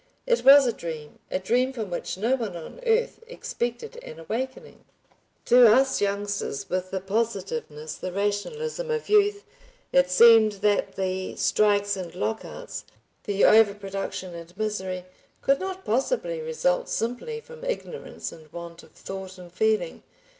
It was a dream, a dream from which no one on earth expected an awakening. To us youngsters with the positiveness, the rationalism of youth, it seemed that the strikes and lockouts, the overproduction and misery could not possibly result simply from ignorance and want of thought and feeling.